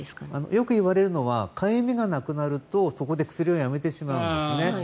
よく言われるのはかゆみがなくなるとそこで薬をやめてしまうんですね。